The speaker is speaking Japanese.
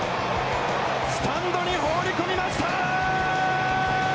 スタンドに放り込みました！